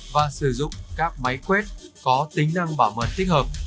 và sử dụng các máy quét có tính năng bảo mật tích hợp